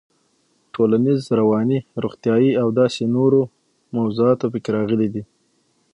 ټولنيز, رواني, روغتيايي او داسې نورو موضوعات پکې راغلي دي.